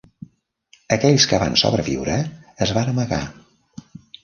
Aquells que van sobreviure es van amagar.